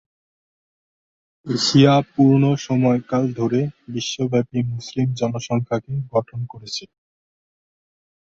Asia পূর্ণ সময়কাল ধরে বিশ্বব্যাপী মুসলিম জনসংখ্যাকে গঠন করেছে।